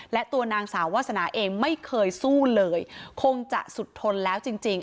และตัวนางสาววาสนาเองไม่เคยสู้เลยคงจะสุดทนแล้วจริง